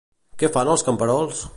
Què fan els camperols?